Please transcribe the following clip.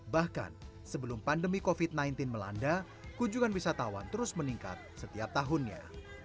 bahkan sebelum pandemi covid sembilan belas melanda kunjungan wisatawan terus meningkat setiap tahunnya